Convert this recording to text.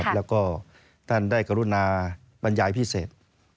แล้วก็ท่านได้กรุณาบรรยายพิเศษ